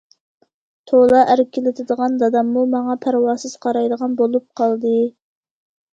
تولا ئەركىلىتىدىغان داداممۇ ماڭا پەرۋاسىز قارايدىغان بولۇپ قالدى.